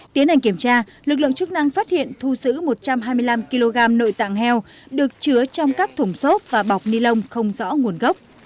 tiến hành kiểm tra lực lượng chức năng phát hiện thu giữ một trăm hai mươi năm kg nội tạng heo được chứa trong các thùng xốp và bọc ni lông không rõ nguồn gốc